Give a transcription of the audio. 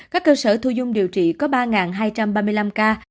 các cơ sở thu dung điều trị có ba hai trăm ba mươi năm ca